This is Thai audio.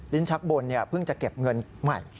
ลิ้นชักบนเนี่ยเพิ่งจะเก็บเงินใหม่